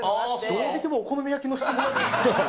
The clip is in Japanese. どう見てもお好み焼きの質問でしょ。